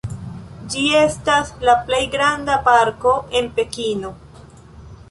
Ĝi estas la plej granda parko en Pekino.